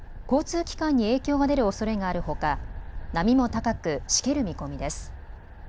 交通機関に影響が出るおそれがあるほか波も高く、しける見込みです。